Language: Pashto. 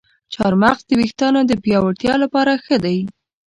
چارمغز د ویښتانو د پیاوړتیا لپاره ښه دی.